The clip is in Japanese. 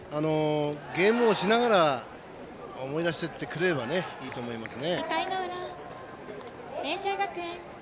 ゲームをしながら思い出していってくれればいいと思います。